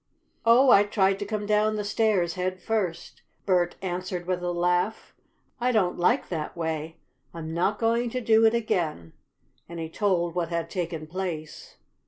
"Oh, I tried to come down the stairs head first," Bert answered with a laugh. "I don't like that way. I'm not going to do it again," and he told what had taken place.